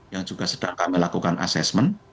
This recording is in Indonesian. yang juga sedang kami lakukan assessment